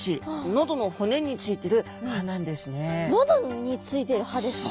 喉についてる歯ですか？